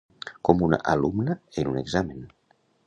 Com una alumna en un examen.